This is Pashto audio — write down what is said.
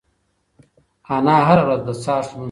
انا هره ورځ د څاښت لمونځ کوي.